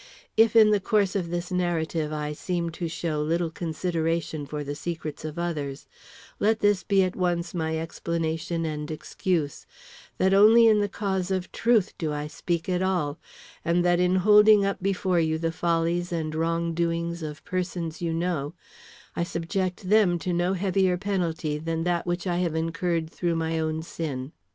If in the course of this narrative I seem to show little consideration for the secrets of others, let this be at once my explanation and excuse: That only in the cause of truth do I speak at all; and that in holding up before you the follies and wrong doings of persons you know, I subject them to no heavier penalty than that which I have incurred through my own sin.